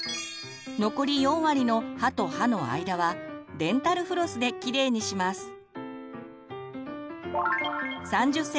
残り４割の歯と歯の間はデンタルフロスできれいにします。